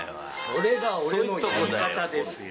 それが俺のやり方ですよ。